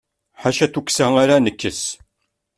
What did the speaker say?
Ḥaca tukksa ara nekkes.